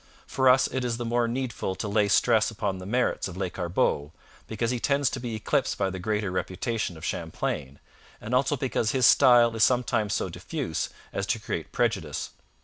For us it is the more needful to lay stress upon the merits of Lescarbot, because he tends to be eclipsed by the greater reputation of Champlain, and also because his style is sometimes so diffuse as to create prejudice.